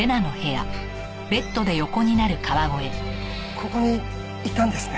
ここにいたんですね。